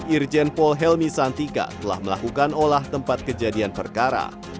irjen pol helmi santika telah melakukan olah tempat kejadian perkara